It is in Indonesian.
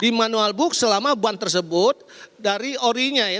di manual book selama ban tersebut dari orinya ya